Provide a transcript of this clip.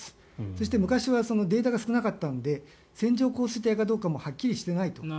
そして昔はデータが少なかったので線状降水帯かどうかもはっきりしていないと。